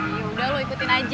ya udah lu ikutin aja